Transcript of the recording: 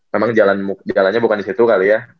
memang jalannya bukan di situ kali ya